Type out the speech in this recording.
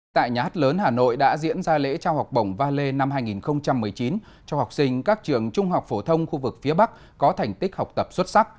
tại nhát lớn hà nội đã diễn ra lễ trao học bổng valet năm hai nghìn một mươi chín cho học sinh các trường trung học phổ thông khu vực phía bắc có thành tích học tập xuất sắc